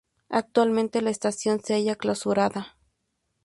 Actualmente la estación se halla clausurada.